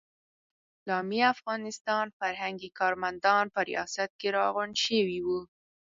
د اسلامي افغانستان فرهنګي کارمندان په ریاست کې راغونډ شوي وو.